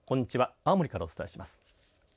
青森からお伝えします。